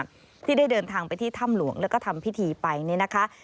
ที่ได้เดินทางไปที่ถ้ำหลวงแล้วก็ทำพิธีไปเนี่ยนะคะ